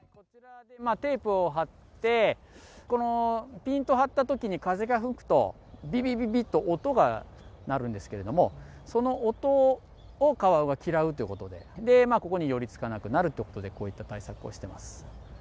テープを張って、このぴんと張ったときに風が吹くと、ひびびびっと音が鳴るんですけども、その音をカワウが嫌うということで、ここに寄りつかなくなるということで、こういった対策をしてます。